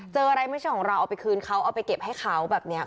เจออะไรไม่ใช่ของเราเอาไปคืนเขาเอาไปเก็บให้เขาแบบนี้